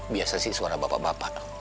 biasa sih suara bapak bapak